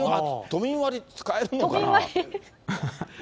都民割、使えるの？